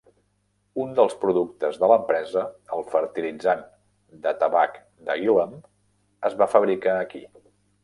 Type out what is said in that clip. Un dels productes de l'empresa, el fertilitzant de tabac de Gilham, es va fabricar aquí.